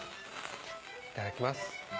いただきます。